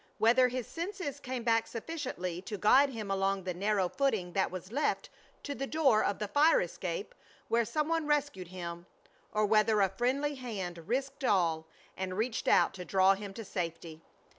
Whether his senses came back sufficiently to guide him along the narrow footing that was left, to the door of the fire escape, where some one rescued him, or whether a friendly hand risked all and reached out to draw him to safety.